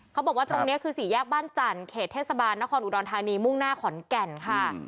เขาบอกว่าตรงนี้คือสี่แยกบ้านจันทร์เขตเทศบาลนครอุดรธานีมุ่งหน้าขอนแก่นค่ะ